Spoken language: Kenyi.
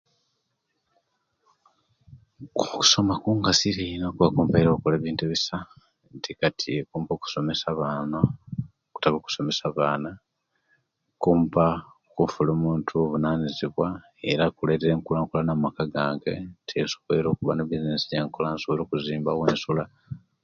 Okusoma kugasire ino kumpere okola ebintu ebisa kati kumpa okusomesa abaana kutaka okusomesa abaana kumpa kunfula muntu bwo buvunayiziwa era kuletere enkula kulana omaka gange nsobwoire okuba nebizinesi ejenkola nsobwoire okuzimba obwensula